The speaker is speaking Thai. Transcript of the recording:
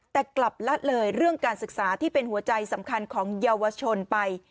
แต่กลับละเลยเรื่องการศึกษาที่เป็นหัวใจสำคัญของเยาวชนไป